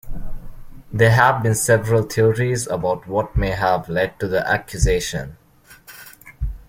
There have been several theories about what may have led to the accusation.